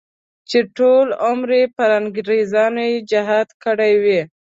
چې ټول عمر یې پر انګریزانو جهاد کړی وي.